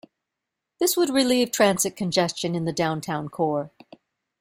This would relieve transit congestion in the downtown core.